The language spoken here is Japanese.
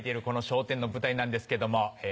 この『笑点』の舞台なんですけども。